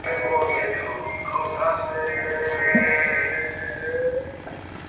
তিনি বিশেষ প্রভাবশালী ইংরেজি সংবাদপত্র দ্য লিডারের প্রতিষ্ঠাতা।